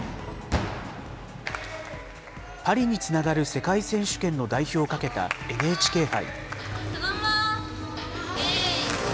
パリにつながる世界選手権の代表をかけたＮＨＫ杯。